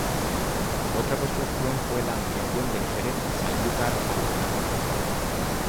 Otra construcción fue la ampliación del Jerez-Sanlúcar al Bonanza.